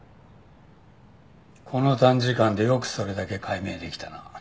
この短時間でよくそれだけ解明できたな。